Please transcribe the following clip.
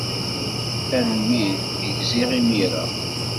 Tanemmirt. Gziɣ imir-a.